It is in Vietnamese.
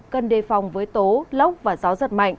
cần đề phòng với tố lốc và gió giật mạnh